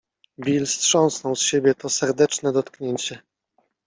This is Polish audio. Bill strząsnął z siebie to serdeczne dotknięcie.